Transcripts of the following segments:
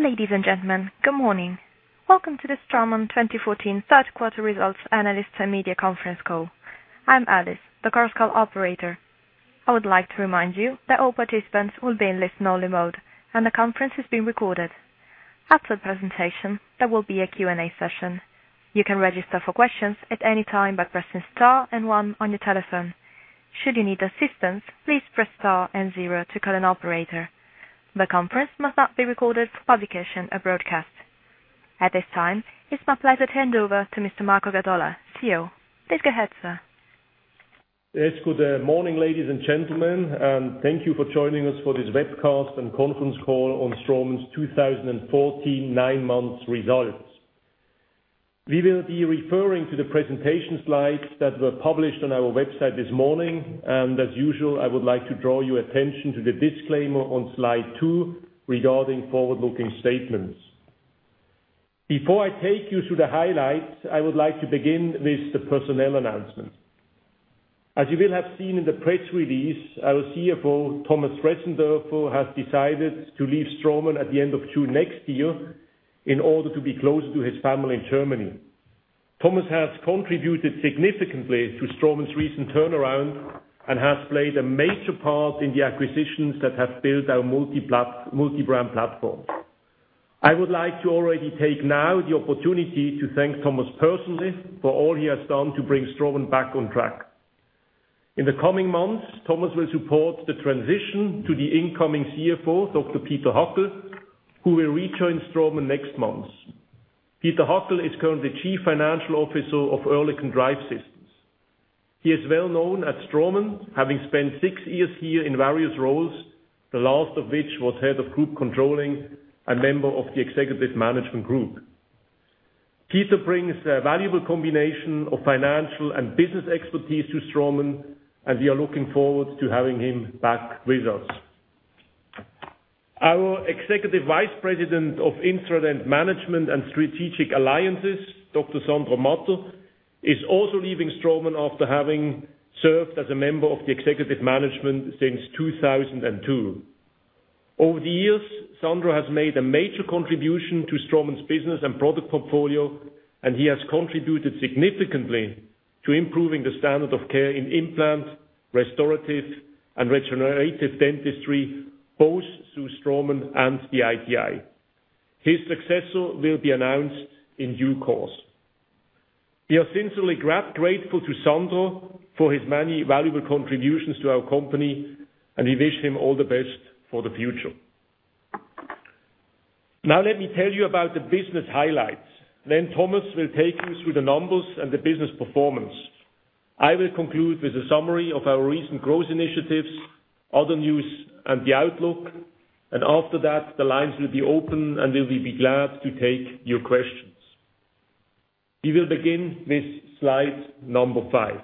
Ladies and gentlemen, good morning. Welcome to the Straumann 2014 third quarter results analysts and media conference call. I'm Alice, the Chorus Call operator. I would like to remind you that all participants will be in listen-only mode, and the conference is being recorded. After the presentation, there will be a Q&A session. You can register for questions at any time by pressing star and one on your telephone. Should you need assistance, please press star and zero to call an operator. The conference must not be recorded for publication or broadcast. At this time, it's my pleasure to hand over to Mr. Marco Gadola, CEO. Please go ahead, sir. Yes, good morning, ladies and gentlemen, and thank you for joining us for this webcast and conference call on Straumann's 2014 nine months results. We will be referring to the presentation slides that were published on our website this morning. As usual, I would like to draw your attention to the disclaimer on slide two regarding forward-looking statements. Before I take you through the highlights, I would like to begin with the personnel announcement. As you will have seen in the press release, our CFO, Thomas Dressendörfer, has decided to leave Straumann at the end of June next year in order to be closer to his family in Germany. Thomas has contributed significantly to Straumann's recent turnaround and has played a major part in the acquisitions that have built our multi-brand platform. I would like to already take now the opportunity to thank Thomas personally for all he has done to bring Straumann back on track. In the coming months, Thomas will support the transition to the incoming CFO, Dr. Peter Hackel, who will rejoin Straumann next month. Peter Hackel is currently Chief Financial Officer of Oerlikon Drive Systems. He is well known at Straumann, having spent six years here in various roles, the last of which was head of group controlling and member of the executive management group. Peter brings a valuable combination of financial and business expertise to Straumann, and we are looking forward to having him back with us. Our Executive Vice President of Instradent Management and Strategic Alliances, Dr. Sandro Motta, is also leaving Straumann after having served as a member of the executive management since 2002. Over the years, Sandro has made a major contribution to Straumann's business and product portfolio, and he has contributed significantly to improving the standard of care in implant, restorative, and regenerative dentistry, both through Straumann and the ITI. His successor will be announced in due course. We are sincerely grateful to Sandro for his many valuable contributions to our company, and we wish him all the best for the future. Now let me tell you about the business highlights. Thomas will take you through the numbers and the business performance. I will conclude with a summary of our recent growth initiatives, other news, and the outlook. After that, the lines will be open, and we will be glad to take your questions. We will begin with slide number five.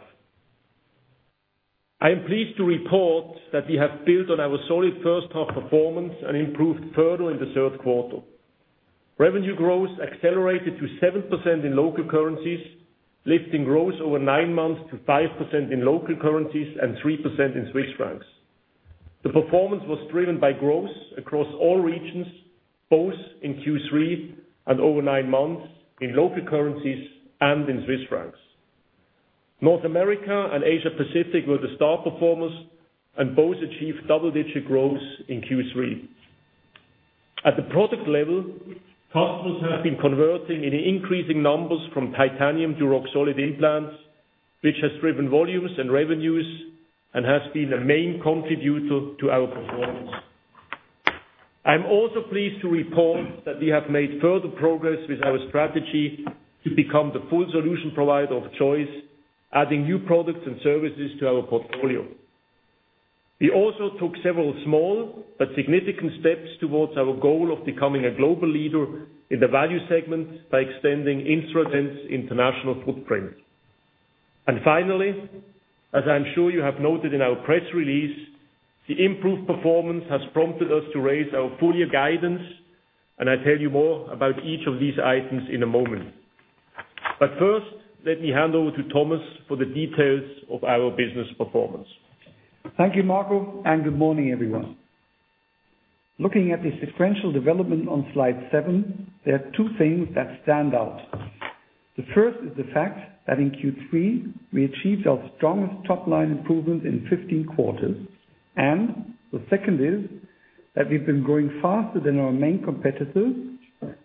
I am pleased to report that we have built on our solid first half performance and improved further in the third quarter. Revenue growth accelerated to 7% in local currencies, lifting growth over nine months to 5% in local currencies and 3% in Swiss francs. The performance was driven by growth across all regions, both in Q3 and over nine months in local currencies and in Swiss francs. North America and Asia Pacific were the star performers and both achieved double-digit growth in Q3. At the product level, customers have been converting in increasing numbers from titanium to Roxolid implants, which has driven volumes and revenues and has been a main contributor to our performance. I am also pleased to report that we have made further progress with our strategy to become the full solution provider of choice, adding new products and services to our portfolio. We also took several small but significant steps towards our goal of becoming a global leader in the value segment by extending Instradent's international footprint. Finally, as I am sure you have noted in our press release, the improved performance has prompted us to raise our full-year guidance, and I will tell you more about each of these items in a moment. But first, let me hand over to Thomas for the details of our business performance. Thank you, Marco, and good morning, everyone. Looking at the sequential development on slide seven, there are two things that stand out. The first is the fact that in Q3, we achieved our strongest top-line improvement in 15 quarters. The second is that we have been growing faster than our main competitor.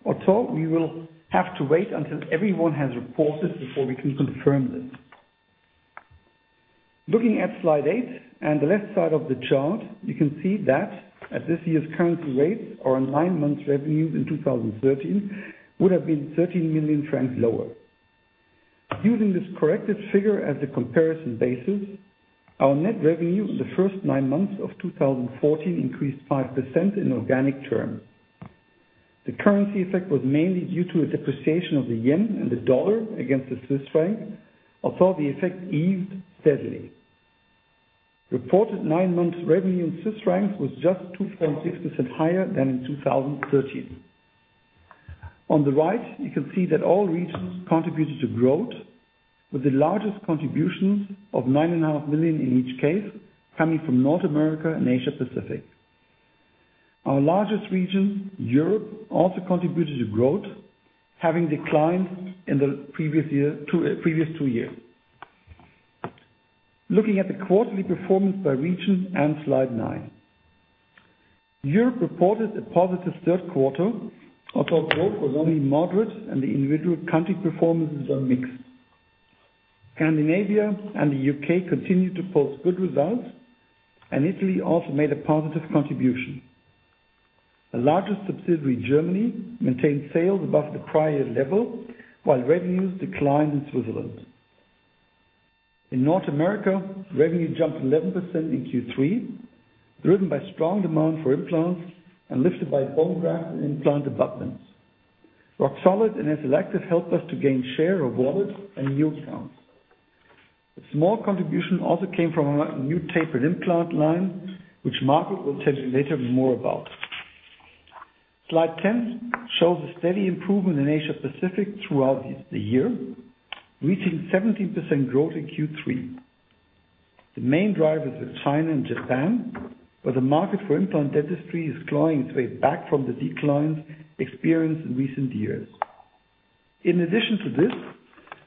Although we will have to wait until everyone has reported before we can confirm this. Looking at slide eight and the left side of the chart, you can see that at this year's currency rates, our nine months revenues in 2013 would have been 13 million francs lower. Using this corrected figure as a comparison basis, our net revenue in the first nine months of 2014 increased 5% in organic terms. The currency effect was mainly due to a depreciation of the yen and the dollar against the Swiss franc, although the effect eased steadily. Reported nine months revenue in Swiss francs was just 2.6% higher than in 2013. On the right, you can see that all regions contributed to growth, with the largest contributions of 9.5 million in each case, coming from North America and Asia Pacific. Our largest region, Europe, also contributed to growth, having declined in the previous two years. Looking at the quarterly performance by region and slide nine. Europe reported a positive third quarter, although growth was only moderate and the individual country performances are mixed. Scandinavia and the U.K. continued to post good results, and Italy also made a positive contribution. The largest subsidiary, Germany, maintained sales above the prior year level, while revenues declined in Switzerland. In North America, revenue jumped 11% in Q3, driven by strong demand for implants and lifted by bone graft and implant abutments. Roxolid and SLActive helped us to gain share of wallet and new accounts. A small contribution also came from our new tapered implant line, which Marco will tell you later more about. Slide 10 shows a steady improvement in Asia Pacific throughout the year, reaching 17% growth in Q3. The main drivers are China and Japan, where the market for implant dentistry is clawing its way back from the declines experienced in recent years. In addition to this,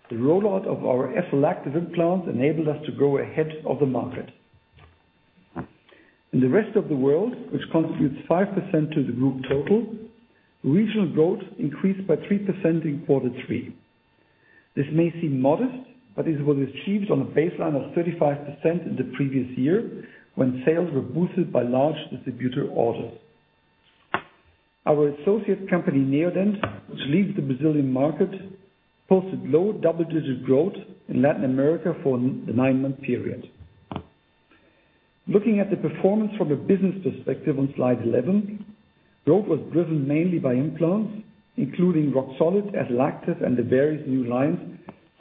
the rollout of our SLActive implants enabled us to grow ahead of the market. In the rest of the world, which contributes 5% to the group total, regional growth increased by 3% in quarter three. This may seem modest, but it was achieved on a baseline of 35% in the previous year, when sales were boosted by large distributor orders. Our associate company, Neodent, which leads the Brazilian market, posted low double-digit growth in Latin America for the nine-month period. Looking at the performance from a business perspective on slide 11, growth was driven mainly by implants, including Roxolid, SLActive, and the various new lines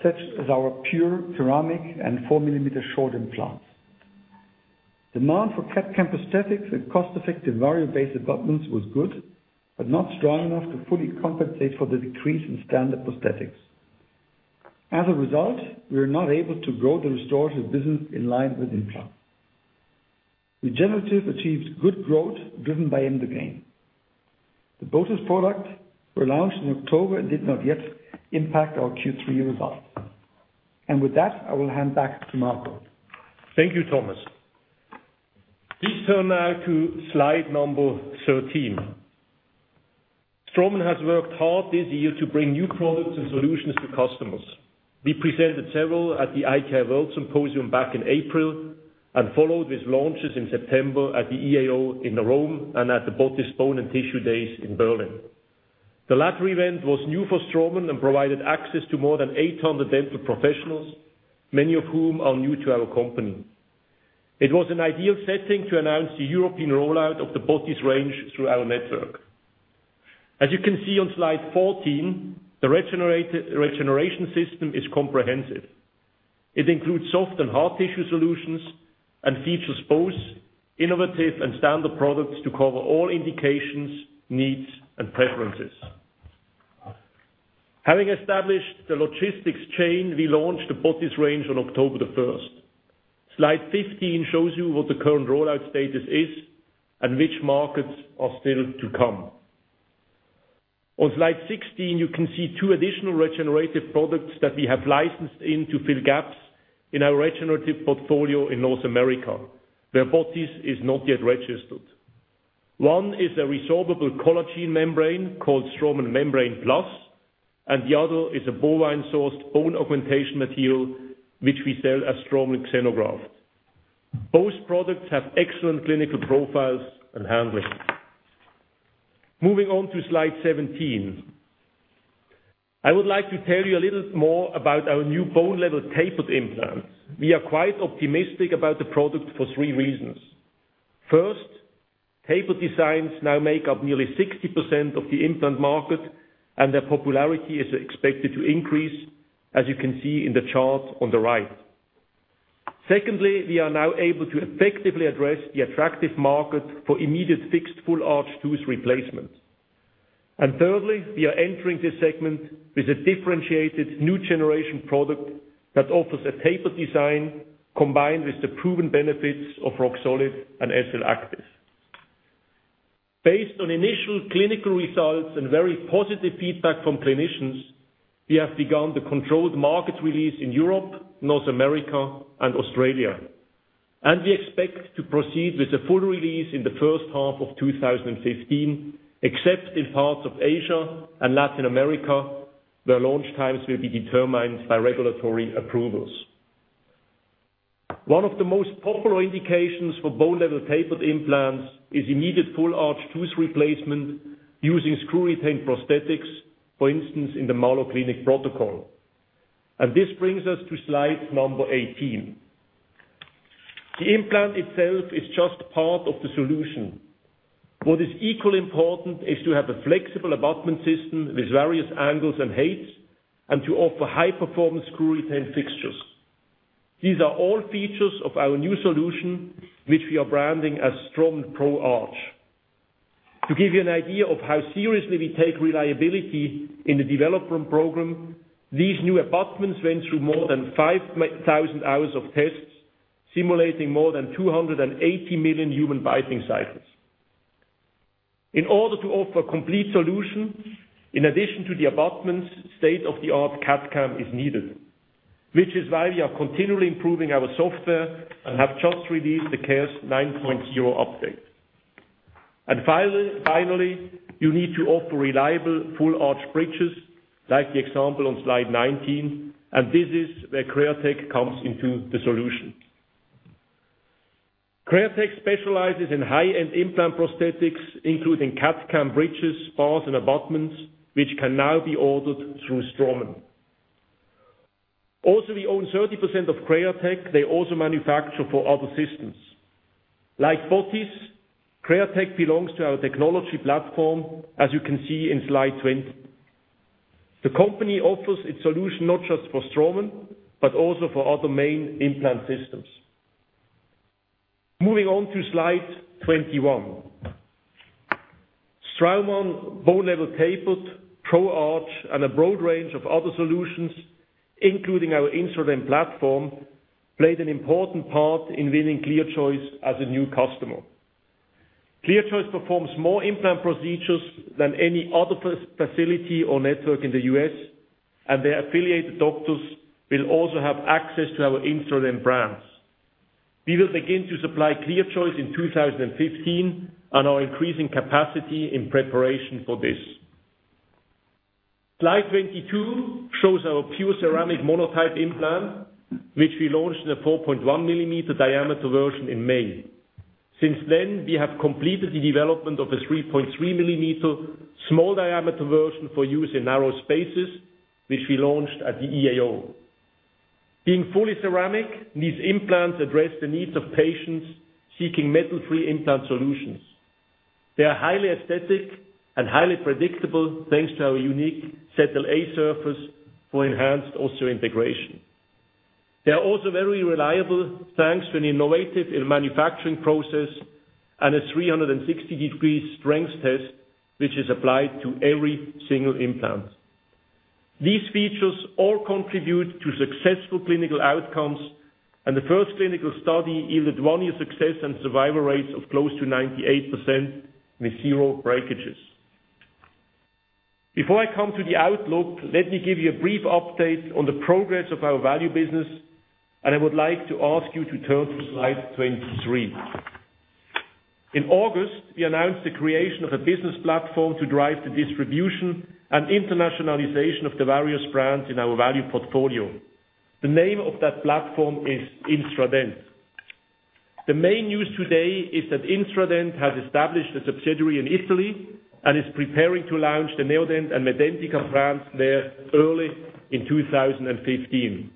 such as our PURE ceramic and 4-millimeter short implants. Demand for CAD/CAM prosthetics and cost-effective Variobase abutments was good, but not strong enough to fully compensate for the decrease in standard prosthetics. As a result, we are not able to grow the restorative business in line with implants. Regenerative achieved good growth driven by Emdogain. The botiss products were launched in October and did not yet impact our Q3 results. With that, I will hand back to Marco. Thank you, Thomas. Please turn now to slide number 13. Straumann has worked hard this year to bring new products and solutions to customers. We presented several at the ITI World Symposium back in April and followed with launches in September at the EAO in Rome and at the botiss bone & tissue days in Berlin. The latter event was new for Straumann and provided access to more than 800 dental professionals, many of whom are new to our company. It was an ideal setting to announce the European rollout of the botiss range through our network. As you can see on slide 14, the regeneration system is comprehensive. It includes soft and hard tissue solutions and features both innovative and standard products to cover all indications, needs, and preferences. Having established the logistics chain, we launched the botiss range on October 1st. Slide 15 shows you what the current rollout status is and which markets are still to come. On slide 16, you can see two additional regenerative products that we have licensed in to fill gaps in our regenerative portfolio in North America, where botiss is not yet registered. One is a resorbable collagen membrane called Straumann Membrane Plus, and the other is a bovine-sourced bone augmentation material, which we sell as Straumann Xenograft. Both products have excellent clinical profiles and handling. Moving on to slide 17. I would like to tell you a little more about our new Bone Level Tapered implants. We are quite optimistic about the product for three reasons. First, tapered designs now make up nearly 60% of the implant market, and their popularity is expected to increase, as you can see in the chart on the right. Secondly, we are now able to effectively address the attractive market for immediate fixed full-arch tooth replacement. Thirdly, we are entering this segment with a differentiated new generation product that offers a tapered design combined with the proven benefits of Roxolid and SLActive. Based on initial clinical results and very positive feedback from clinicians, we have begun the controlled market release in Europe, North America, and Australia. We expect to proceed with a full release in the first half of 2015, except in parts of Asia and Latin America, where launch times will be determined by regulatory approvals. One of the most popular indications for Bone Level Tapered implants is immediate full-arch tooth replacement using screw-retained prosthetics, for instance, in the Malo Clinic protocol. This brings us to slide number 18. The implant itself is just part of the solution. What is equally important is to have a flexible abutment system with various angles and heights and to offer high-performance, screw-retained fixtures. These are all features of our new solution, which we are branding as Straumann Pro Arch. To give you an idea of how seriously we take reliability in the development program, these new abutments went through more than 5,000 hours of tests, simulating more than 280 million human biting cycles. In order to offer a complete solution, in addition to the abutments, state-of-the-art CAD/CAM is needed, which is why we are continually improving our software and have just released the CARES 9.0 update. Finally, you need to offer reliable full-arch bridges like the example on slide 19, and this is where Createch comes into the solution. Createch specializes in high-end implant prosthetics, including CAD/CAM bridges, bars, and abutments, which can now be ordered through Straumann. We own 30% of Createch. They also manufacture for other systems. Like botiss, Createch belongs to our technology platform, as you can see in slide 20. The company offers its solution not just for Straumann, but also for other main implant systems. Moving on to slide 21. Straumann Bone Level Tapered, Pro Arch, and a broad range of other solutions, including our Instradent platform, played an important part in winning ClearChoice as a new customer. ClearChoice performs more implant procedures than any other facility or network in the U.S., and their affiliated doctors will also have access to our Instradent brands. We will begin to supply ClearChoice in 2015 and are increasing capacity in preparation for this. Slide 22 shows our Straumann PURE Ceramic Implant Monotype, which we launched in a 4.1-millimeter diameter version in May. Since then, we have completed the development of a 3.3-millimeter small diameter version for use in narrow spaces, which we launched at the EAO. Being fully ceramic, these implants address the needs of patients seeking metal-free implant solutions. They are highly aesthetic and highly predictable, thanks to our unique SLA surface for enhanced osseointegration. They are also very reliable, thanks to an innovative manufacturing process and a 360-degree strength test, which is applied to every single implant. These features all contribute to successful clinical outcomes, and the first clinical study yielded one-year success and survival rates of close to 98% with zero breakages. Before I come to the outlook, let me give you a brief update on the progress of our Value business, I would like to ask you to turn to slide 23. In August, we announced the creation of a business platform to drive the distribution and internationalization of the various brands in our Value portfolio. The name of that platform is Instradent. The main news today is that Instradent has established a subsidiary in Italy and is preparing to launch the Neodent and Medentika brands there early in 2015.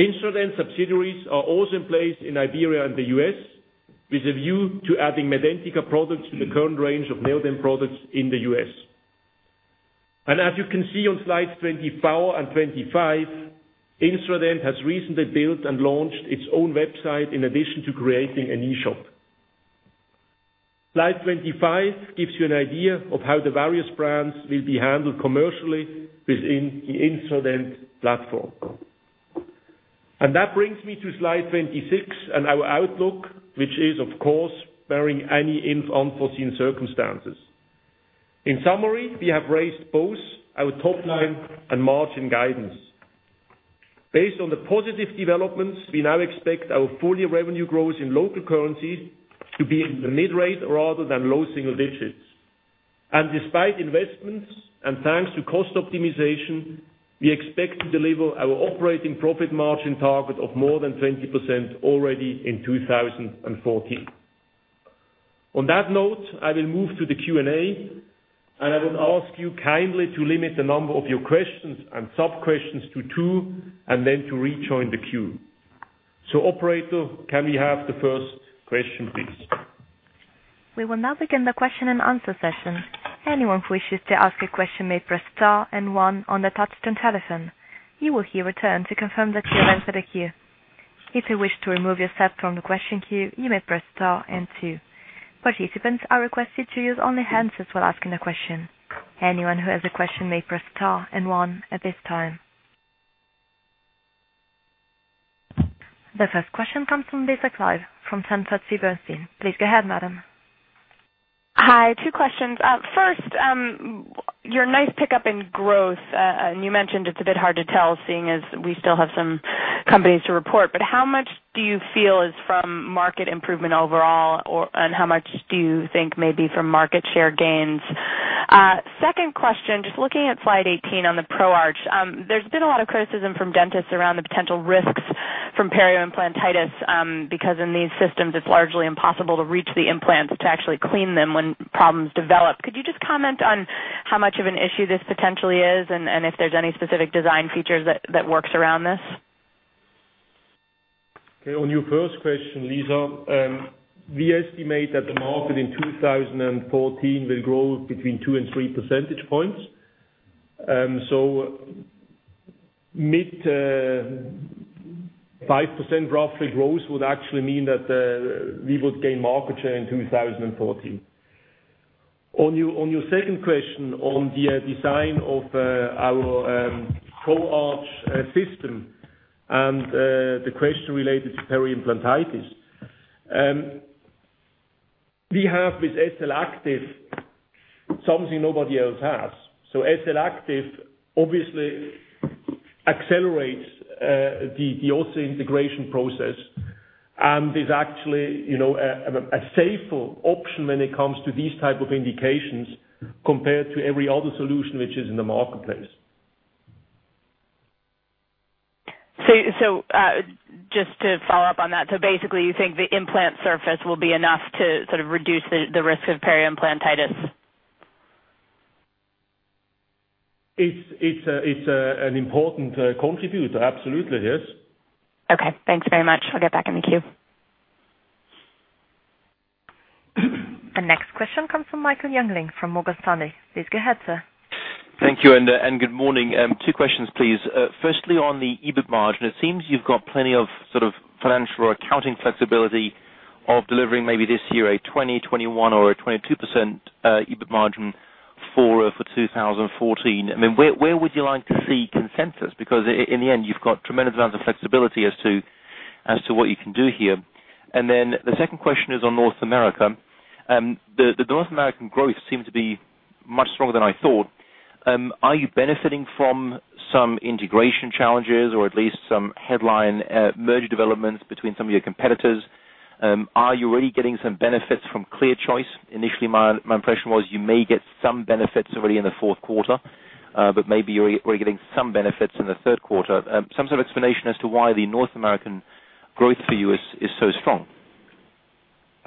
Instradent subsidiaries are also in place in Iberia and the U.S. with a view to adding Medentika products to the current range of Neodent products in the U.S. As you can see on slides 24 and 25, Instradent has recently built and launched its own website in addition to creating an e-shop. Slide 25 gives you an idea of how the various brands will be handled commercially within the Instradent platform. That brings me to slide 26 and our outlook, which is, of course, barring any unforeseen circumstances. In summary, we have raised both our top line and margin guidance. Based on the positive developments, we now expect our full-year revenue growth in local currency to be in the mid-rate rather than low single digits. Despite investments and thanks to cost optimization, we expect to deliver our operating profit margin target of more than 20% already in 2014. On that note, I will move to the Q&A. I will ask you kindly to limit the number of your questions and sub-questions to two, then to rejoin the queue. Operator, can we have the first question, please? We will now begin the question and answer session. Anyone who wishes to ask a question may press star and one on their touch-tone telephone. You will hear a return to confirm that you have entered a queue. If you wish to remove yourself from the question queue, you may press star and two. Participants are requested to use only handsets while asking a question. Anyone who has a question may press star and one at this time. The first question comes from Lisa Clive from Sanford C. Bernstein. Please go ahead, madam. Hi. Two questions. First, your nice pickup in growth. You mentioned it's a bit hard to tell, seeing as we still have some companies to report. How much do you feel is from market improvement overall, and how much do you think may be from market share gains? Second question, just looking at slide 18 on the Pro Arch. There's been a lot of criticism from dentists around the potential risks from peri-implantitis, because in these systems, it's largely impossible to reach the implants to actually clean them when problems develop. Could you just comment on how much of an issue this potentially is and if there's any specific design features that works around this? On your first question, Lisa, we estimate that the market in 2014 will grow between two and three percentage points. Mid 5% roughly growth would actually mean that we would gain market share in 2014. On your second question, on the design of our Pro Arch system and the question related to peri-implantitis, we have with SLActive something nobody else has. SLActive obviously accelerates the osseointegration process and is actually a safer option when it comes to these type of indications compared to every other solution which is in the marketplace. Just to follow up on that. Basically you think the implant surface will be enough to sort of reduce the risk of peri-implantitis? It's an important contributor, absolutely. Yes. Okay. Thanks very much. I'll get back in the queue. The next question comes from Michael Jüngling from Morgan Stanley. Please go ahead, sir. Thank you. Good morning. Two questions, please. Firstly, on the EBIT margin, it seems you've got plenty of financial or accounting flexibility of delivering maybe this year a 20, 21 or a 22% EBIT margin for 2014. Where would you like to see consensus? In the end, you've got tremendous amounts of flexibility as to what you can do here. The second question is on North America. The North American growth seems to be much stronger than I thought. Are you benefiting from some integration challenges or at least some headline merger developments between some of your competitors? Are you already getting some benefits from ClearChoice? Initially, my impression was you may get some benefits already in the fourth quarter, but maybe you're already getting some benefits in the third quarter. Some sort of explanation as to why the North American growth for you is so strong.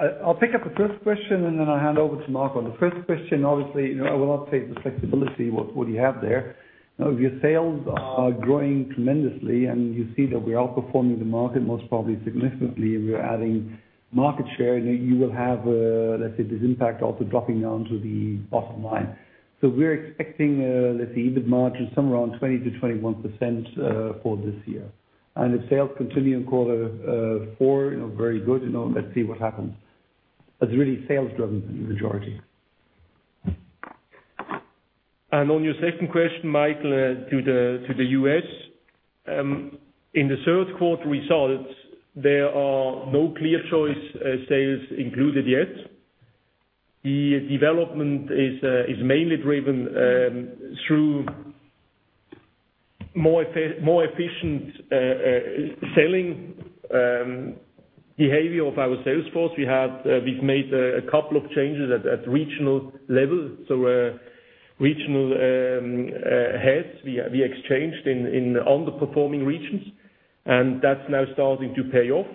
I'll pick up the first question. I'll hand over to Marco. On the first question, obviously, I will not take the flexibility what you have there. Your sales are growing tremendously. You see that we are outperforming the market most probably significantly. We are adding market share. You will have, let's say, this impact also dropping down to the bottom line. We're expecting, let's see, EBIT margin somewhere around 20 to 21% for this year. If sales continue in quarter four, very good. Let's see what happens. It's really sales-driven, the majority. On your second question, Michael, to the U.S., in the third quarter results, there are no ClearChoice sales included yet. The development is mainly driven through more efficient selling behavior of our sales force. We've made a couple of changes at regional level. Regional heads we exchanged in underperforming regions, and that's now starting to pay off.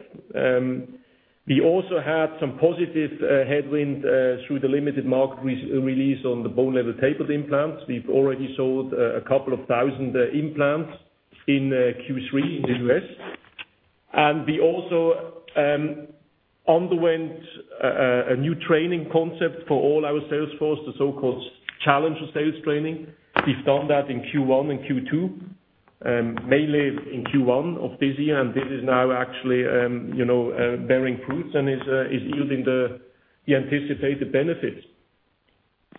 We also had some positive headwind through the limited market release on the Bone Level Tapered implants. We've already sold a couple of 1,000 implants in Q3 in the U.S. And we also underwent a new training concept for all our sales force, the so-called Challenger sales training. We've done that in Q1 and Q2, mainly in Q1 of this year, and this is now actually bearing fruits and is yielding the anticipated benefits.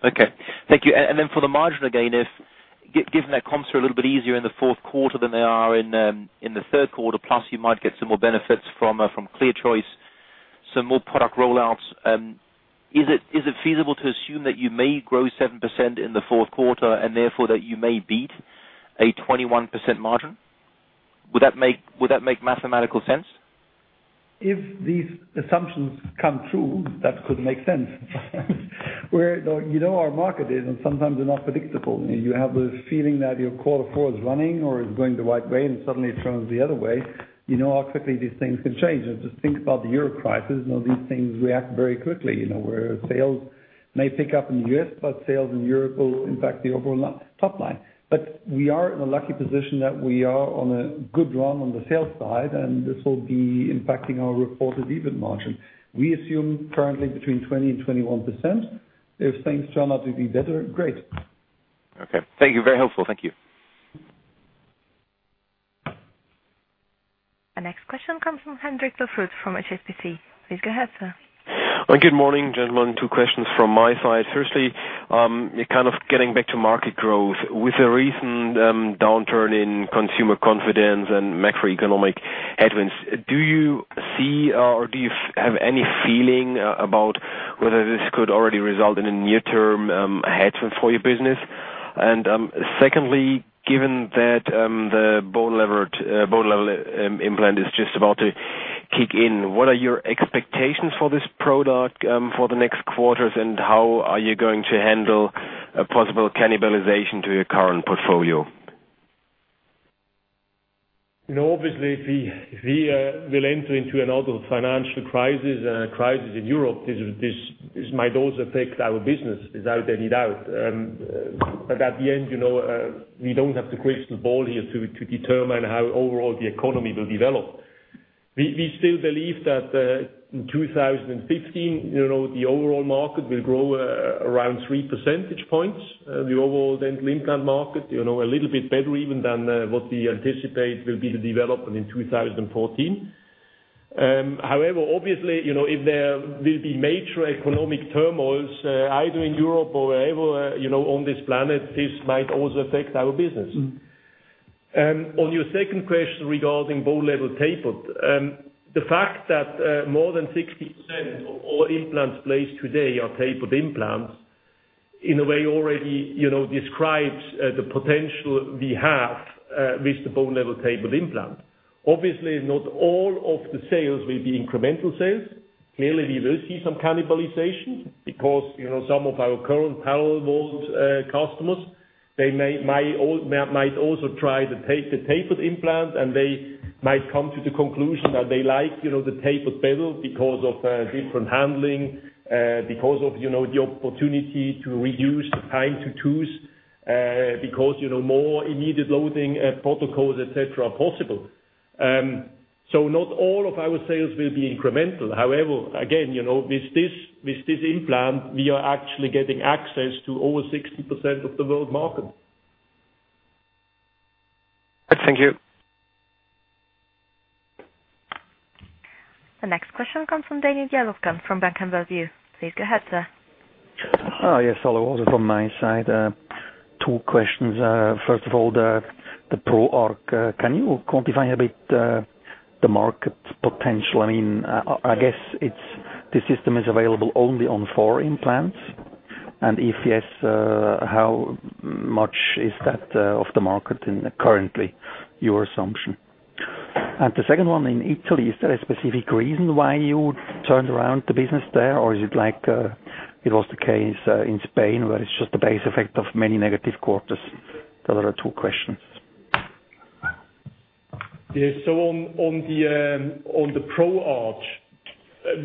Okay. Thank you. Then for the margin again, if given that comps are a little bit easier in the fourth quarter than they are in the third quarter, plus you might get some more benefits from ClearChoice, some more product rollouts, is it feasible to assume that you may grow 7% in the fourth quarter and therefore that you may beat a 21% margin? Would that make mathematical sense? If these assumptions come true, that could make sense. You know our market is, and sometimes they're not predictable. You have the feeling that your quarter four is running or is going the right way, and suddenly it turns the other way. You know how quickly these things can change. Just think about the Euro crisis. These things react very quickly, where sales may pick up in the U.S., but sales in Europe will impact the overall top line. We are in a lucky position that we are on a good run on the sales side, and this will be impacting our reported EBIT margin. We assume currently between 20% and 21%, if things turn out to be better, great. Okay. Thank you. Very helpful. Thank you. Our next question comes from Hendrik Lofruthe from HSBC. Please go ahead, sir. Good morning, gentlemen. Two questions from my side. Firstly, kind of getting back to market growth. With the recent downturn in consumer confidence and macroeconomic headwinds, do you see, or do you have any feeling about whether this could already result in a near-term headwind for your business? Secondly, given that the Bone Level Tapered implant is just about to kick in, what are your expectations for this product for the next quarters, and how are you going to handle a possible cannibalization to your current portfolio? Obviously, if we will enter into another financial crisis in Europe, this might also affect our business. Without any doubt. At the end, we don't have the crystal ball here to determine how overall the economy will develop. We still believe that in 2015, the overall market will grow around three percentage points. The overall dental implant market, a little bit better even than what we anticipate will be the development in 2014. Obviously, if there will be major economic turmoils, either in Europe or wherever on this planet, this might also affect our business. On your second question regarding Bone Level Tapered. The fact that more than 60% of all implants placed today are tapered implants, in a way already describes the potential we have with the Bone Level Tapered implant. Obviously, not all of the sales will be incremental sales. Clearly, we will see some cannibalization because some of our current parallel wall customers, they might also try to take the tapered implant, and they might come to the conclusion that they like the tapered bevel because of different handling, because of the opportunity to reduce the time to tooth, because more immediate loading protocols, et cetera, are possible. Not all of our sales will be incremental. Again, with this implant, we are actually getting access to over 60% of the world market. Thank you. The next question comes from Daniel Jelovcan from Bank Vontobel. Please go ahead, sir. Yes. Hello. Also from my side, two questions. First of all, the Pro Arch. Can you quantify a bit the market potential? I guess, the system is available only on four implants, and if yes, how much is that of the market currently your assumption? The second one: in Italy, is there a specific reason why you turned around the business there, or is it like it was the case in Spain, where it's just the base effect of many negative quarters? Those are the two questions. Yes. On the Pro Arch,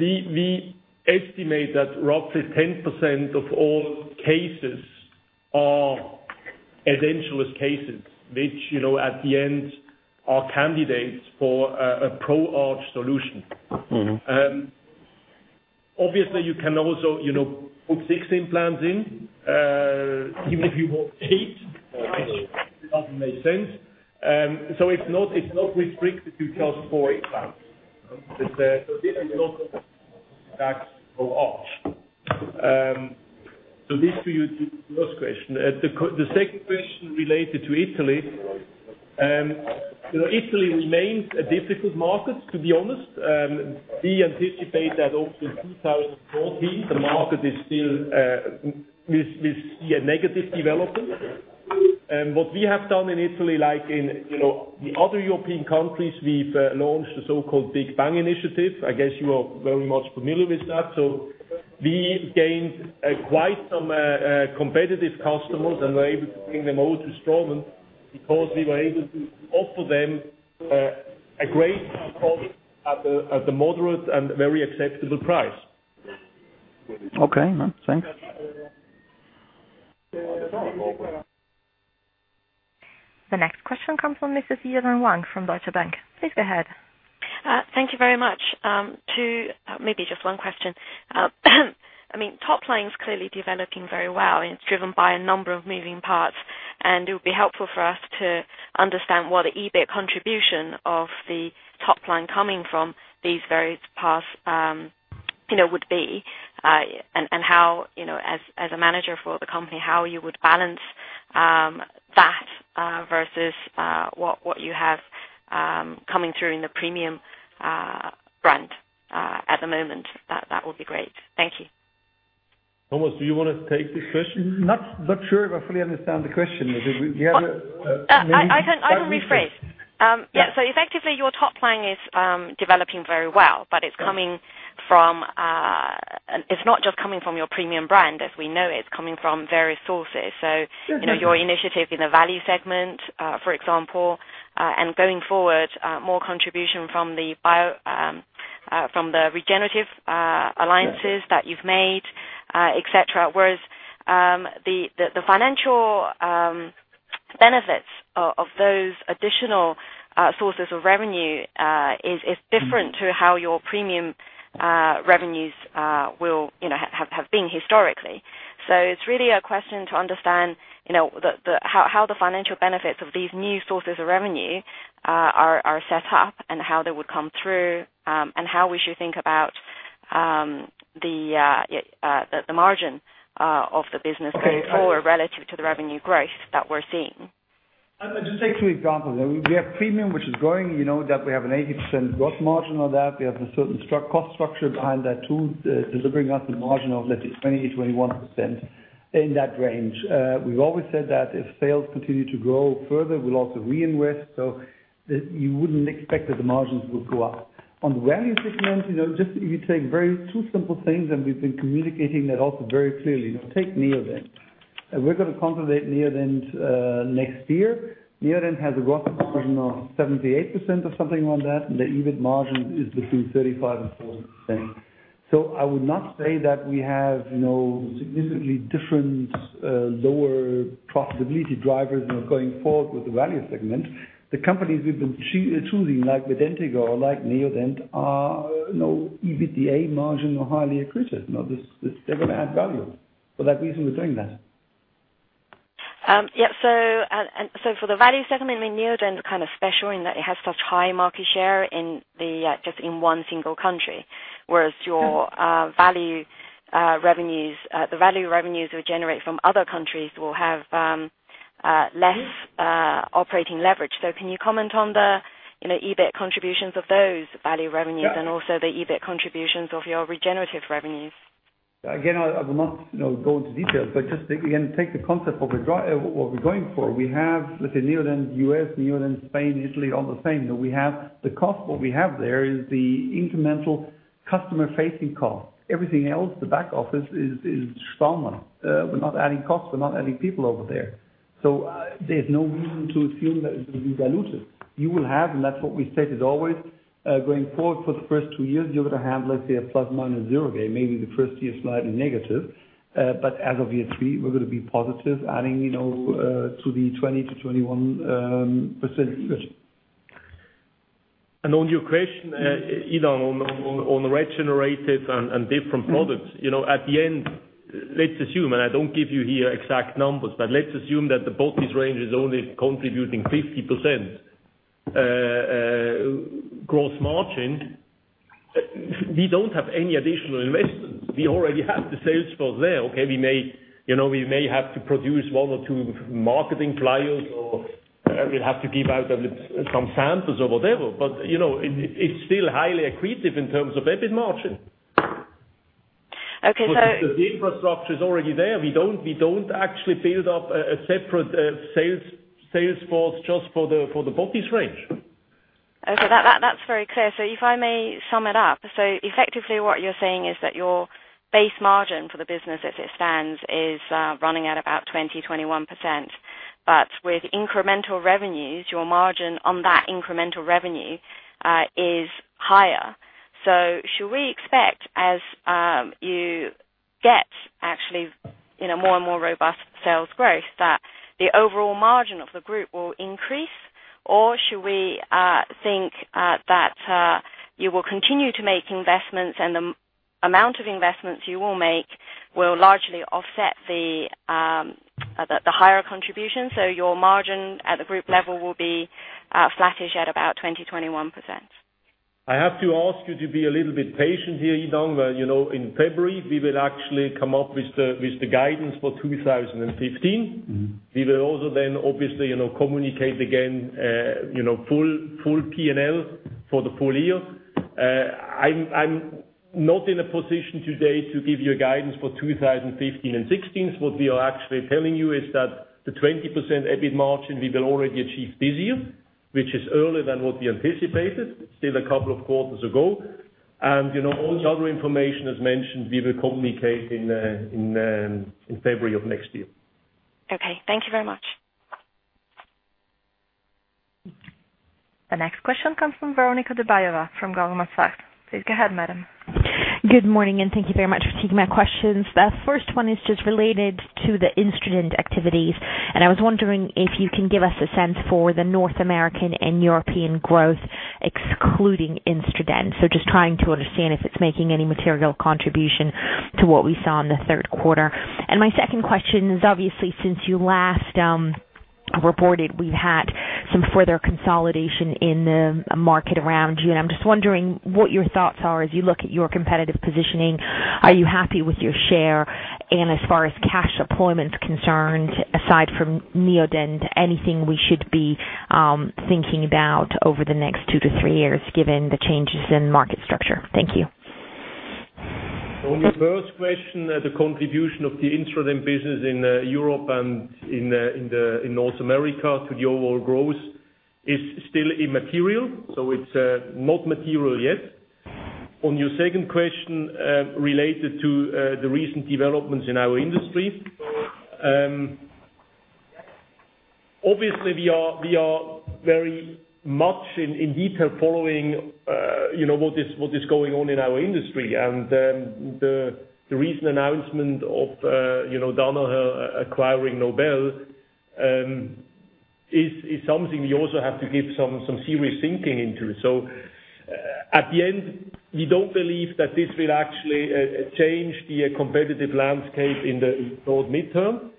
we estimate that roughly 10% of all cases are edentulous cases, which, at the end, are candidates for a Pro Arch solution. Obviously, you can also put six implants in. Even if you want eight, it doesn't make sense. It's not restricted to just four implants. This is not Pro Arch. This to your first question. The second question related to Italy. Italy remains a difficult market, to be honest. We anticipate that also in 2014, the market is still, we see a negative development. What we have done in Italy, like in the other European countries, we've launched a so-called Big Bang Initiative. I guess you are very much familiar with that. We gained quite some competitive customers and were able to bring them over to Straumann because we were able to offer them a great product at the moderate and very acceptable price. Okay. Thanks. The next question comes from Mrs. Yvonne Wong from Deutsche Bank. Please go ahead. Thank you very much. Maybe just one question. Top line's clearly developing very well, and it's driven by a number of moving parts, and it would be helpful for us to understand what the EBIT contribution of the top line coming from these various paths would be, and as a manager for the company, how you would balance that versus what you have coming through in the premium brand at the moment. That would be great. Thank you. Thomas, do you want to take this question? Not sure if I fully understand the question. Maybe. I can rephrase. Yeah. Effectively, your top line is developing very well, but it's not just coming from your premium brand as we know it. It's coming from various sources. Yes your initiative in the value segment, for example, and going forward, more contribution from the regenerative alliances that you've made, et cetera. The financial benefits of those additional sources of revenue is different to how your premium revenues have been historically. It's really a question to understand how the financial benefits of these new sources of revenue are set up and how they would come through, and how we should think about the margin of the business going forward relative to the revenue growth that we're seeing. Just take two examples. We have premium, which is growing. That we have an 80% gross margin on that. We have a certain cost structure behind that too, delivering us a margin of, let's say, 20%, 21%, in that range. We've always said that if sales continue to grow further, we'll also reinvest. You wouldn't expect that the margins would go up. On the value segment, if you take two simple things, and we've been communicating that also very clearly. Take Neodent. We're going to consolidate Neodent next year. Neodent has a gross margin of 78% or something around that, and the EBIT margin is between 35% and 40%. I would not say that we have significantly different lower profitability drivers going forward with the value segment. The companies we've been choosing like with Dentigo or like Neodent are EBITDA margin or highly accretive. They're going to add value. For that reason we're doing that. For the value segment, Neodent is special in that it has such high market share just in one single country, whereas the value revenues we generate from other countries will have less operating leverage. Can you comment on the EBIT contributions of those value revenues- Yeah the EBIT contributions of your regenerative revenues? I will not go into details, but just again take the concept of what we're going for. We have, let's say, Neodent U.S., Neodent Spain, Italy, all the same. The cost what we have there is the incremental customer-facing cost. Everything else, the back office is Straumann. We're not adding costs. We're not adding people over there. There's no reason to assume that it will be dilutive. You will have, and that's what we said is always going forward for the first two years, you're going to have, let's say, a plus minus zero game. Maybe the first year slightly negative. As of year three, we're going to be positive adding to the 20%-21% range. On your question, Yvonne Wong, on the regenerative and different products. At the end, let's assume, and I don't give you here exact numbers, but let's assume that the botiss range is only contributing 50% gross margin. We don't have any additional investments. We already have the sales force there. Okay, we may have to produce one or two marketing flyers or we'll have to give out some samples or whatever, but it's still highly accretive in terms of EBIT margin. Okay. The infrastructure is already there. We don't actually build up a separate sales force just for the botiss range. Okay. That's very clear. If I may sum it up. Effectively what you're saying is that your base margin for the business as it stands is running at about 20%-21%, but with incremental revenues, your margin on that incremental revenue is higher. Should we expect as you get actually more and more robust sales growth, that the overall margin of the group will increase, or should we think that you will continue to make investments and the amount of investments you will make will largely offset the higher contribution, your margin at the group level will be flattish at about 20%-21%? I have to ask you to be a little bit patient here, Yvonne. In February, we will actually come up with the guidance for 2015. We will also then obviously communicate again full P&L for the full year. I'm not in a position today to give you a guidance for 2015 and 2016. What we are actually telling you is that the 20% EBIT margin we will already achieve this year, which is earlier than what we anticipated, still a couple of quarters ago. All the other information, as mentioned, we will communicate in February of next year. Okay. Thank you very much. The next question comes from Veronika Dubajova from Goldman Sachs. Please go ahead, madam. Good morning. Thank you very much for taking my questions. The first one is just related to the instradent activities, and I was wondering if you can give us a sense for the North American and European growth excluding instradent. Just trying to understand if it's making any material contribution to what we saw in the third quarter. My second question is, obviously, since you last reported, we've had some further consolidation in the market around you, and I'm just wondering what your thoughts are as you look at your competitive positioning. Are you happy with your share? As far as cash deployment is concerned, aside from Neodent, anything we should be thinking about over the next two to three years given the changes in market structure? Thank you. On your first question, the contribution of the instrument business in Europe and in North America to the overall growth is still immaterial. It's not material yet. On your second question related to the recent developments in our industry, obviously, we are very much in detail following what is going on in our industry. The recent announcement of Danaher acquiring Nobel is something we also have to give some serious thinking into. At the end, we don't believe that this will actually change the competitive landscape in the mid-term.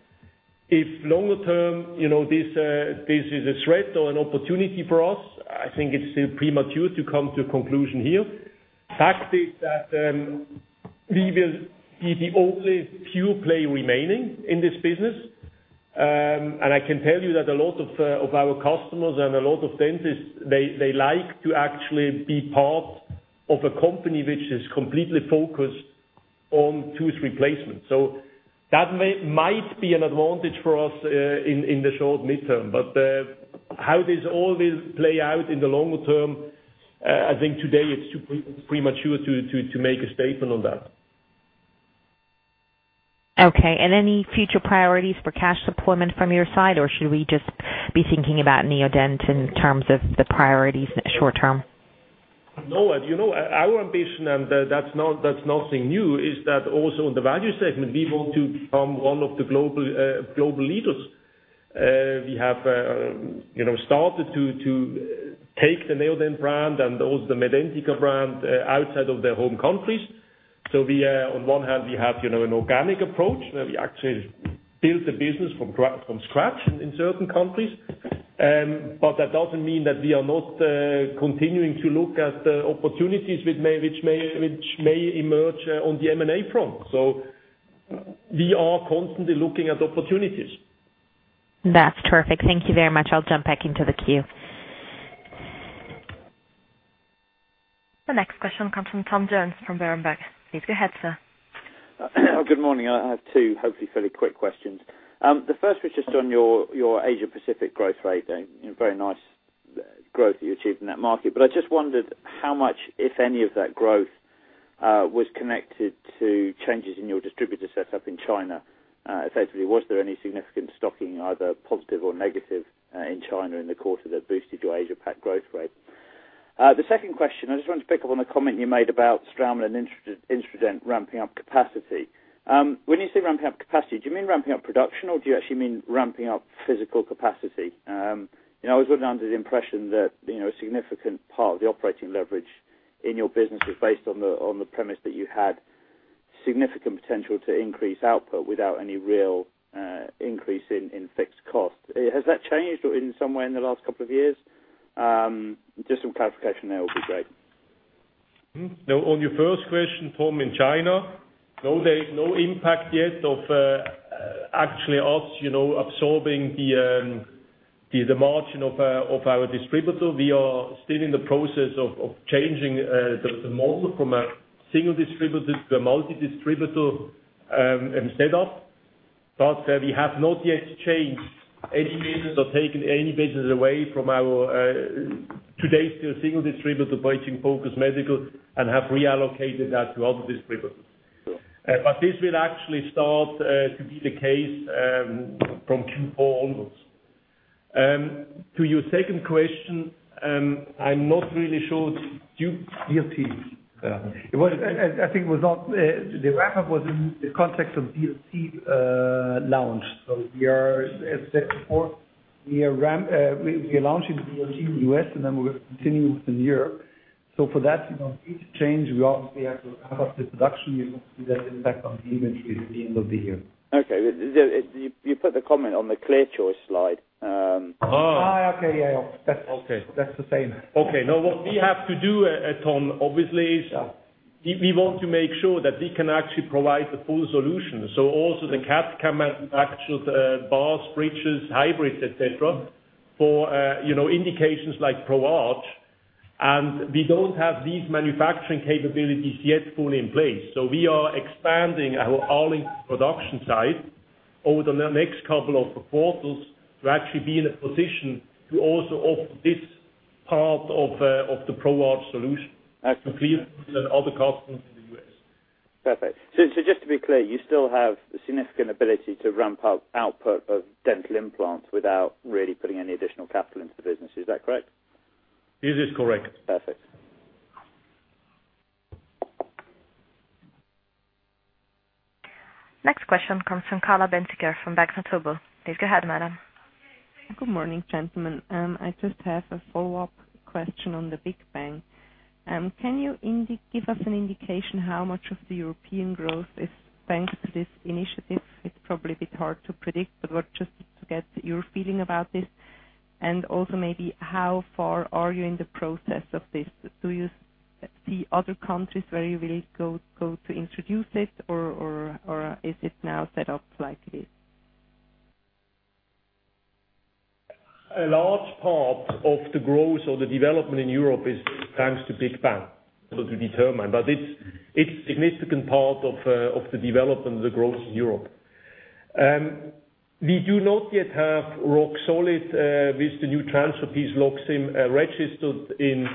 If longer term, this is a threat or an opportunity for us, I think it's still premature to come to a conclusion here. Fact is that we will be the only pure play remaining in this business. I can tell you that a lot of our customers and a lot of dentists, they like to actually be part of a company which is completely focused on tooth replacement. That might be an advantage for us in the short mid-term, but how this all will play out in the longer term, I think today it's too premature to make a statement on that. Okay. Any future priorities for cash deployment from your side, or should we just be thinking about Neodent in terms of the priorities in the short term? No. Our ambition, and that's nothing new, is that also in the value segment, we want to become one of the global leaders. We have started to take the Neodent brand and also the Medentika brand outside of their home countries. On one hand, we have an organic approach, where we actually build the business from scratch in certain countries. That doesn't mean that we are not continuing to look at opportunities which may emerge on the M&A front. We are constantly looking at opportunities. That's perfect. Thank you very much. I'll jump back into the queue. The next question comes from Tom Jones from Berenberg. Please go ahead, sir. Good morning. I have two hopefully fairly quick questions. The first was just on your Asia Pacific growth rate. Very nice growth that you achieved in that market. I just wondered how much, if any, of that growth was connected to changes in your distributor setup in China. Effectively, was there any significant stocking, either positive or negative, in China in the quarter that boosted your Asia Pac growth rate? The second question, I just wanted to pick up on a comment you made about Straumann and Instradent ramping up capacity. When you say ramping up capacity, do you mean ramping up production, or do you actually mean ramping up physical capacity? I was under the impression that a significant part of the operating leverage in your business was based on the premise that you had significant potential to increase output without any real increase in fixed costs. Has that changed in some way in the last couple of years? Just some clarification there would be great. On your first question, Tom, in China, no impact yet of actually us absorbing the margin of our distributor. We are still in the process of changing the model from a single distributor to a multi-distributor setup. We have not yet changed any business or taken any business away. To date, still a single distributor, Beijing Focus Medical, and have reallocated that to other distributors. This will actually start to be the case from Q4 onwards. BLT. I think the ramp-up was in the context of BLT launch. We are, as said before, we are launching the BLT in the U.S., then we will continue with Europe. For that to change, we obviously have to ramp up the production. You will see that impact on the inventory at the end of the year. Okay. You put the comment on the ClearChoice slide. Oh. Okay, yeah. That's the same. Okay. Now, what we have to do, Tom, obviously, is we want to make sure that we can actually provide the full solution. Also the CAD/CAM and actual bars, bridges, hybrids, et cetera, for indications like Pro Arch. We don't have these manufacturing capabilities yet fully in place. We are expanding our Villeret production site over the next couple of quarters to actually be in a position to also offer this part of the Pro Arch solution. Excellent to clear other customers in the U.S. Perfect. Just to be clear, you still have the significant ability to ramp up output of dental implants without really putting any additional capital into the business. Is that correct? This is correct. Perfect. Next question comes from Carla Bänziger from Bank Vontobel. Please go ahead, madam. Good morning, gentlemen. I just have a follow-up question on the Big Bang. Can you give us an indication how much of the European growth is thanks to this initiative? It's probably a bit hard to predict, but just to get your feeling about this. Maybe how far are you in the process of this? Do you see other countries where you will go to introduce this, or is it now set up like it is? A large part of the growth or the development in Europe is thanks to Big Bang. It's significant part of the development of the growth in Europe. We do not yet have Roxolid with the new transfer piece, Roxolid, registered in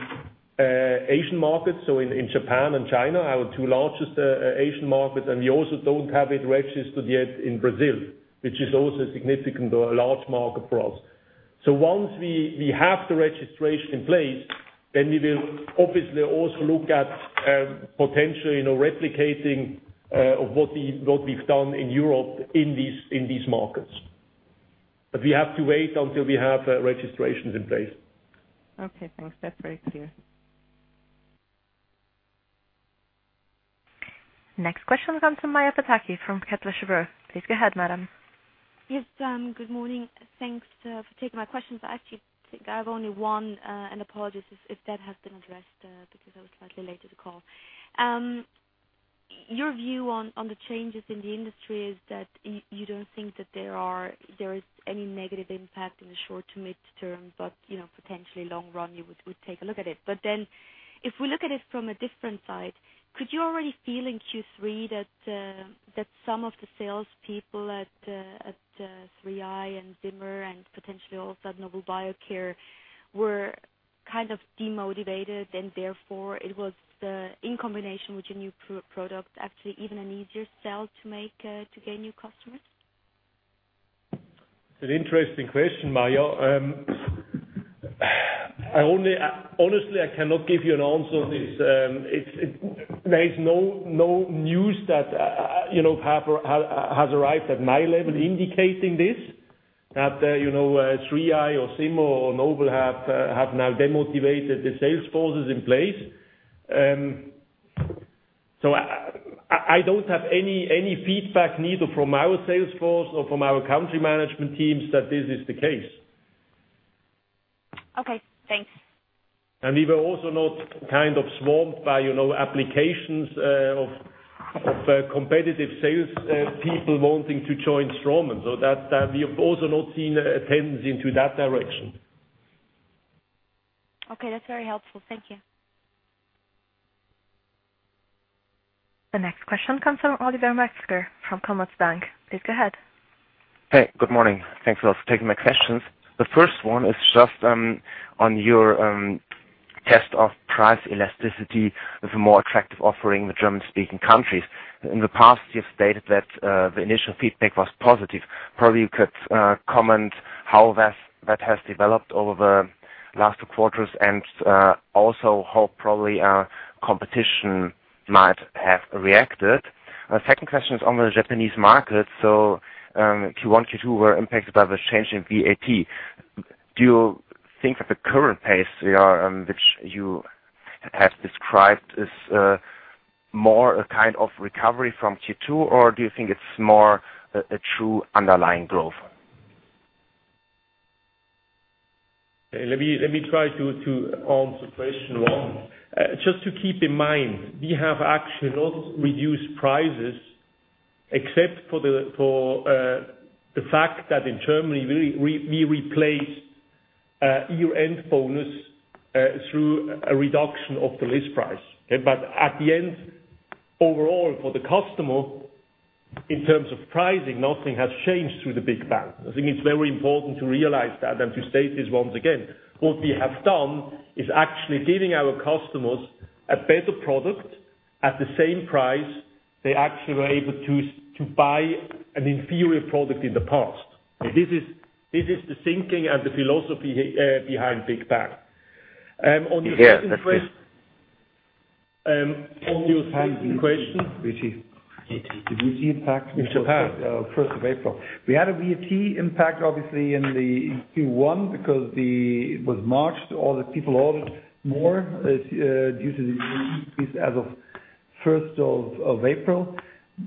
Asian markets, so in Japan and China, our two largest Asian markets. We also don't have it registered yet in Brazil, which is also a significant or a large market for us. Once we have the registration in place, we will obviously also look at potentially replicating what we've done in Europe in these markets. We have to wait until we have registrations in place. Okay, thanks. That's very clear. Next question comes from Maja Pataki from Kepler Cheuvreux. Please go ahead, madam. Yes. Good morning. Thanks for taking my questions. I actually think I have only one, and apologies if that has been addressed, because I was slightly late to the call. Your view on the changes in the industry is that you don't think that there is any negative impact in the short to mid-term, but potentially long run, you would take a look at it. If we look at it from a different side, could you already feel in Q3 that some of the salespeople at 3i and Zimmer and potentially also at Nobel Biocare were Kind of demotivated and therefore it was in combination with your new product, actually even an easier sell to make to gain new customers? It's an interesting question, Maja. Honestly, I cannot give you an answer on this. There is no news that has arrived at my level indicating this, that 3i or Zimmer or Nobel have now demotivated the sales forces in place. I don't have any feedback neither from our sales force or from our country management teams that this is the case. Okay, thanks. We were also not swamped by applications of competitive salespeople wanting to join Straumann. We have also not seen a tendency into that direction. Okay, that's very helpful. Thank you. The next question comes from Oliver Metzger from Commerzbank. Please go ahead. Hey, good morning. Thanks a lot for taking my questions. The first one is just on your test of price elasticity with a more attractive offering with German-speaking countries. In the past, you've stated that the initial feedback was positive. Probably you could comment how that has developed over the last two quarters, and also how probably competition might have reacted. My second question is on the Japanese market. Q1, Q2 were impacted by the change in VAT. Do you think that the current pace which you have described is more a kind of recovery from Q2 or do you think it's more a true underlying growth? Let me try to answer question one. Just to keep in mind, we have actually not reduced prices except for the fact that in Germany, we replaced year-end bonus through a reduction of the list price. At the end, overall for the customer in terms of pricing, nothing has changed through the Big Bang. I think it's very important to realize that and to state this once again. What we have done is actually giving our customers a better product at the same price they actually were able to buy an inferior product in the past. This is the thinking and the philosophy behind Big Bang. On your second question- VAT. On your second question- VAT. VAT impact in Japan. First of April. We had a VAT impact obviously in the Q1 because it was March, all the people ordered more due to the increase as of 1st of April.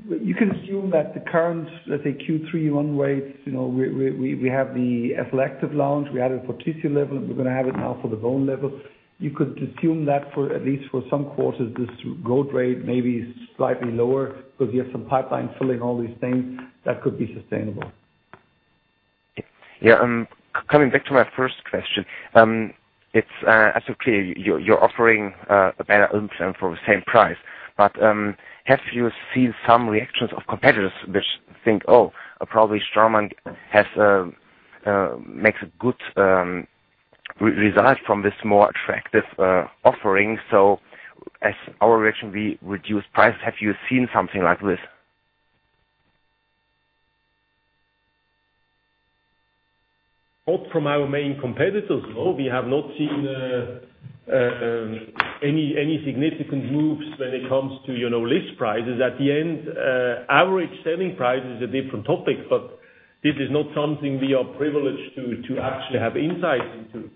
You can assume that the current, let's say Q3 run rates, we have the SLActive launch. We had it for tissue level, and we're going to have it now for the bone level. You could assume that at least for some quarters, this growth rate may be slightly lower because we have some pipeline filling, all these things that could be sustainable. Yeah. Coming back to my first question. It's absolutely clear you're offering a better implant for the same price, but have you seen some reactions of competitors which think, "Oh, probably Straumann makes a good result from this more attractive offering, so as our reaction, we reduce price." Have you seen something like this? Not from our main competitors, no. We have not seen any significant moves when it comes to list prices. At the end, average selling price is a different topic, but this is not something we are privileged to actually have insight into.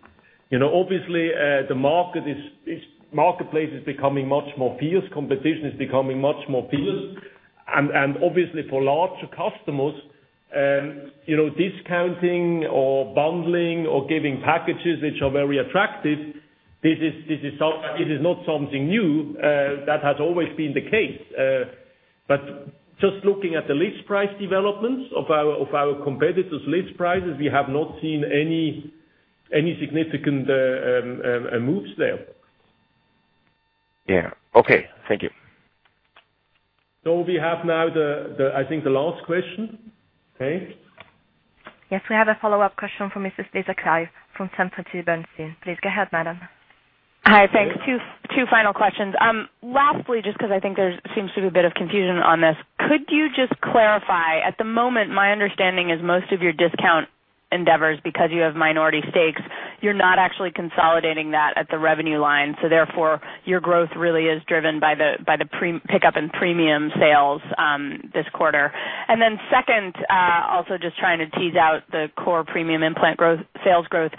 Obviously, the marketplace is becoming much more fierce. Competition is becoming much more fierce. Obviously for larger customers, discounting or bundling or giving packages which are very attractive, it is not something new. That has always been the case. Just looking at the list price developments of our competitors' list prices, we have not seen any significant moves there. Yeah. Okay. Thank you. We have now, I think the last question. Okay. Yes, we have a follow-up question from Mrs. Lisa Clive from Sanford C. Bernstein. Please go ahead, madam. Hi. Thanks. Two final questions. Lastly, just because I think there seems to be a bit of confusion on this, could you just clarify: at the moment, my understanding is most of your discount endeavors, because you have minority stakes, you are not actually consolidating that at the revenue line, so therefore your growth really is driven by the pickup in premium sales this quarter. Second, also just trying to tease out the core premium implant sales growth.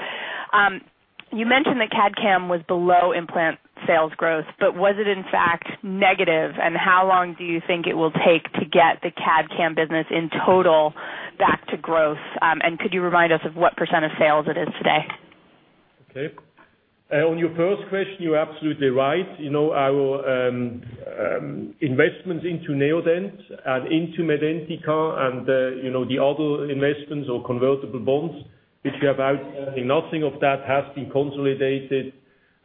You mentioned that CAD/CAM was below implant sales growth, was it in fact negative? How long do you think it will take to get the CAD/CAM business in total back to growth? Could you remind us of what % of sales it is today? Okay. On your first question, you are absolutely right. Our investments into Neodent and into Medentika and the other investments or convertible bonds which we have out, nothing of that has been consolidated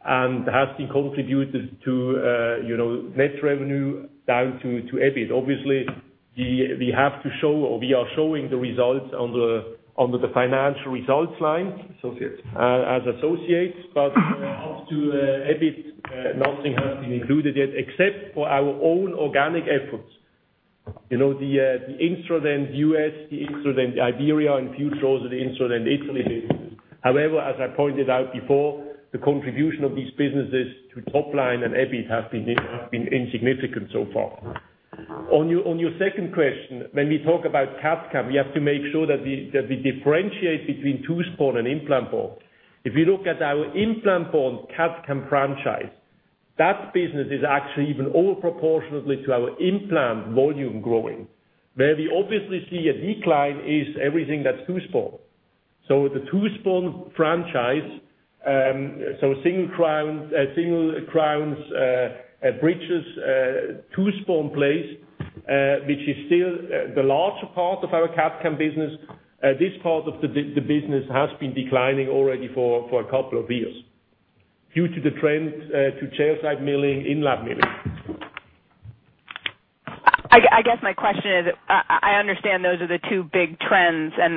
has been contributors to net revenue down to EBIT. Obviously, we have to show or we are showing the results under the financial results line. Associates as associates. Up to EBIT, nothing has been included yet except for our own organic efforts. The Instradent U.S., the Instradent Iberia, and a few of the Instradent Italy businesses. However, as I pointed out before, the contribution of these businesses to top line and EBIT have been insignificant so far. On your second question, when we talk about CAD/CAM, we have to make sure that we differentiate between tooth-borne and implant-borne. If you look at our implant-borne CAD/CAM franchise, that business is actually even proportionately to our implant volume growing. Where we obviously see a decline is everything that is tooth-borne. The tooth-borne franchise, so single crowns, bridges, tooth-borne plates, which is still the larger part of our CAD/CAM business, this part of the business has been declining already for a couple of years due to the trend to chairside milling, in-lab milling. I guess my question is, I understand those are the two big trends and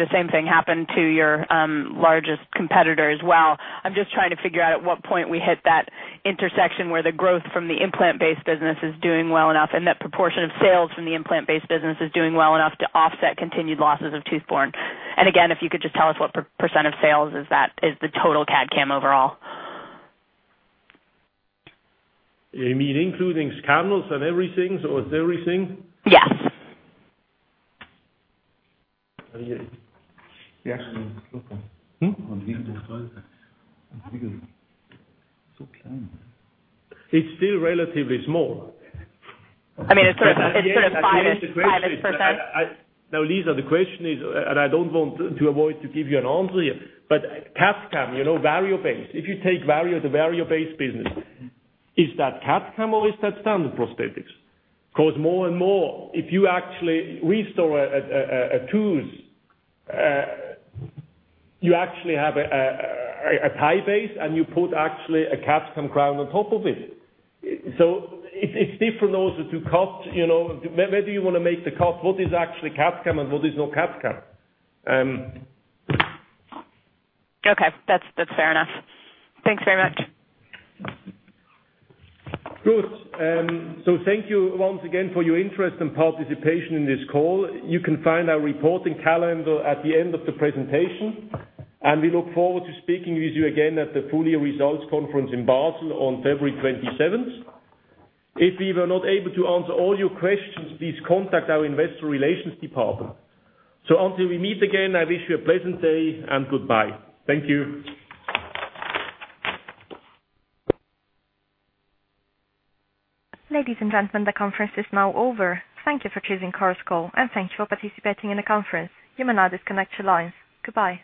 the same thing happened to your largest competitor as well. I'm just trying to figure out at what point we hit that intersection where the growth from the implant-based business is doing well enough, and that proportion of sales from the implant-based business is doing well enough to offset continued losses of tooth-borne. Again, if you could just tell us what % of sales is the total CAD/CAM overall. You mean including scanners and everything? It's everything? Yes. It's still relatively small. I mean, it's sort of five-ish %. Lisa, the question is, I don't want to avoid to give you an answer here, CAD/CAM, Variobase. If you take the Variobase business, is that CAD/CAM or is that standard prosthetics? More and more, if you actually restore a tooth, you actually have a ti base, and you put actually a CAD/CAM crown on top of it. It's different also to cut. Where do you want to make the cut? What is actually CAD/CAM and what is no CAD/CAM? That's fair enough. Thanks very much. Thank you once again for your interest and participation in this call. You can find our reporting calendar at the end of the presentation, we look forward to speaking with you again at the Full-Year Results Conference in Basel on February 27th. If we were not able to answer all your questions, please contact our investor relations department. Until we meet again, I wish you a pleasant day and goodbye. Thank you. Ladies and gentlemen, the conference is now over. Thank you for choosing Chorus Call, thank you for participating in the conference. You may now disconnect your lines. Goodbye.